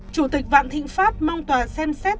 chủ tịch vạn thịnh pháp mong toàn xem xét